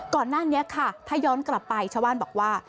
ก่อนหน้านี้ค่ะถ้าย้อนกลับไปชาวบ้านบอกว่า